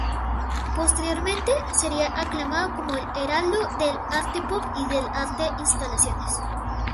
Posteriormente sería aclamado como el heraldo del arte pop y el arte de instalaciones.